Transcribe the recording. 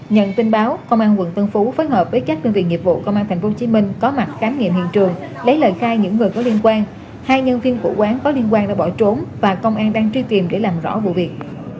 nhận tin báo công an quận tân phú phối hợp với các đơn vị nghiệp vụ công an tp hcm có mặt khám nghiệm hiện trường lấy lời khai những người có liên quan hai nhân viên của quán có liên quan đã bỏ trốn và công an đang truy tìm để làm rõ vụ việc